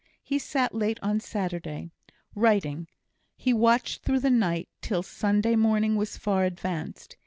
He sat late on Saturday, writing; he watched through the night till Sunday morning was far advanced.